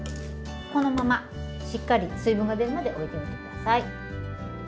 このまましっかり水分が出るまでおいておいてください。